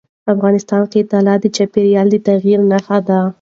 افغانستان کې طلا د چاپېریال د تغیر نښه ده.